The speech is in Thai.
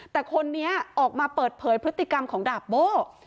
แต่คนนี้ออกมาเปิดเผยพฤติกรรมของดาบโบ้